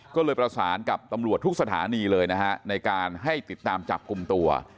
ก็เลยประสานกับตำรวจทุกสถานีเลยนะฮะในการให้ติดตามจับกลุ่มตัว